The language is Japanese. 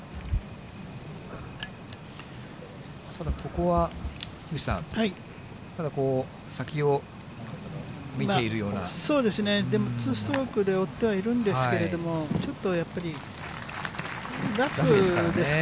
ただここは樋口さん、そうですね、２ストロークで追ってはいるんですけれども、ちょっとやっぱり、ラフですからね。